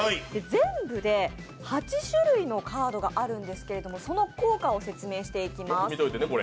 全部で８種類のカードがあるんですけども、その効果を説明していきます。